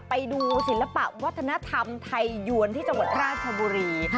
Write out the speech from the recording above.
ไปดูศิลปะวัฒนธรรมไทยยวนที่จังหวัดราชบุรี